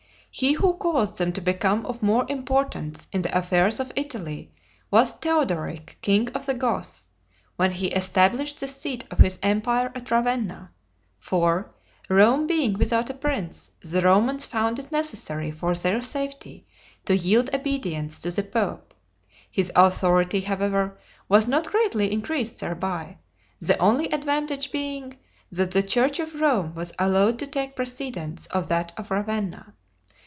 He who caused them to become of more importance in the affairs of Italy, was Theodoric, king of the Goths, when he established the seat of his empire at Ravenna; for, Rome being without a prince, the Romans found it necessary, for their safety, to yield obedience to the pope; his authority, however, was not greatly increased thereby, the only advantage being, that the church of Rome was allowed to take precedence of that of Ravenna.